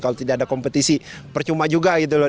kalau tidak ada kompetisi percuma juga gitu loh